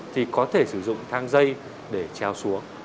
thì có thể sử dụng thang dây để treo xuống